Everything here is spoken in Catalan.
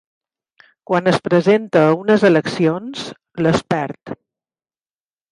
Quan es presenta a unes eleccions, les perd.